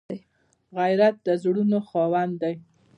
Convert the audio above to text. غیرت د زړونو خاوند دی